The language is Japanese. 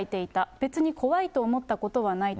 別に怖いと思ったことはないと。